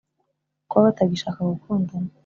kuba batagishaka gukundana: